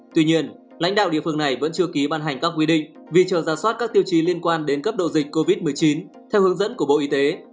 tuy nhiên lãnh đạo địa phương này vẫn chưa ký ban hành các quy định vì chờ ra soát các tiêu chí liên quan đến cấp độ dịch covid một mươi chín theo hướng dẫn của bộ y tế